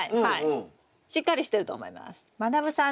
しっかりしてると思います。